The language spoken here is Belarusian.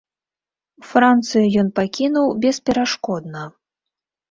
Францыю ён пакінуў бесперашкодна.